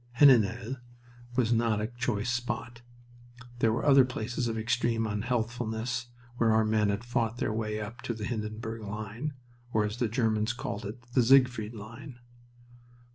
Heninel was not a choice spot. There were other places of extreme unhealthfulness where our men had fought their way up to the Hindenburg line, or, as the Germans called it, the Siegfried line.